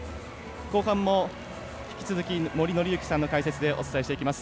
後半も引き続き、森紀之さんの解説でお伝えしていきます。